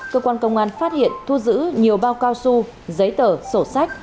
cơ quan công an phát hiện thu giữ nhiều bao cao su giấy tờ sổ sách